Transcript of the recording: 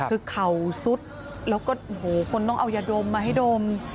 คือเข่าซุดแล้วก็โอ้โหคนต้องเอายาดมมาให้ดม